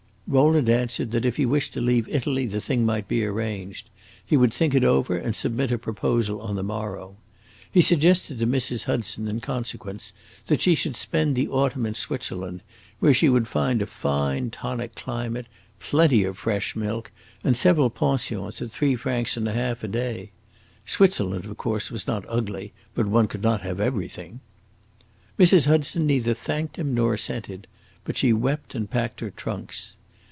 Rowland answered that if he wished to leave Italy the thing might be arranged; he would think it over and submit a proposal on the morrow. He suggested to Mrs. Hudson, in consequence, that she should spend the autumn in Switzerland, where she would find a fine tonic climate, plenty of fresh milk, and several pensions at three francs and a half a day. Switzerland, of course, was not ugly, but one could not have everything. Mrs. Hudson neither thanked him nor assented; but she wept and packed her trunks.